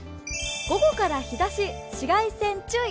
午後から日ざし、紫外線注意。